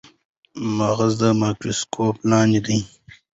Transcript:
مغز د مایکروسکوپ لاندې دی.